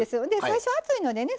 最初熱いのでね